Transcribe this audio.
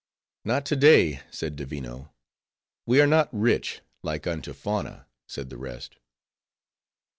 "Not to day," said Divino. "We are not rich, like unto Fauna," said the rest.